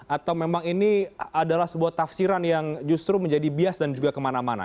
atau memang ini adalah sebuah tafsiran yang justru menjadi bias dan juga kemana mana